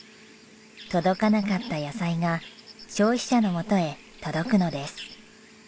届かなかった野菜が消費者の元へ届くのです。